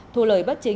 thu lời bất chính